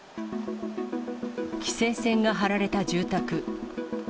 規制線が張られた住宅。